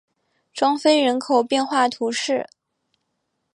库菲人口变化图示